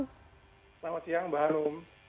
selamat siang mbak anum